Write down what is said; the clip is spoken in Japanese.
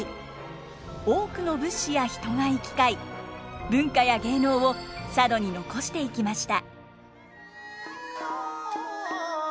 多くの物資や人が行き交い文化や芸能を佐渡に残していきました。